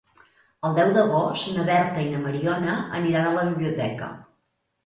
El deu d'agost na Berta i na Mariona aniran a la biblioteca.